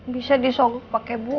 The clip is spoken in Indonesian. bisa disogok pakai bunga